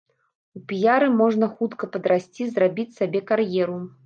У піяры можна хутка падрасці, зрабіць сабе кар'еру.